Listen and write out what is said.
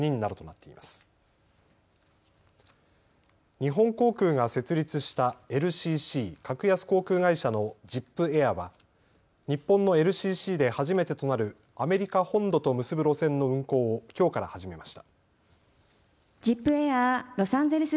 日本航空が設立したＬＣＣ・格安航空会社のジップエアは日本のＬＣＣで初めてとなるアメリカ本土と結ぶ路線の運航をきょうから始めました。